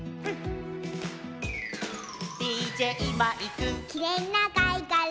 「ＤＪマイク」「きれいなかいがら」